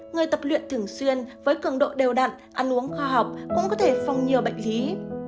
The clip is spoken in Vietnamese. người tập luyện thường xuyên với cường độ đều đặn ăn uống khoa học cũng có thể phòng nhiều bệnh lý